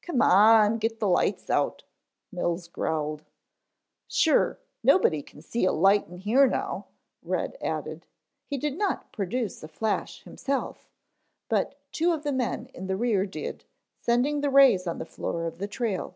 "Come on, get the lights out," Mills growled. "Sure, nobody can see a light in here now," Red added. He did not produce a flash himself, but two of the men in the rear did, sending the rays on the floor of the trail.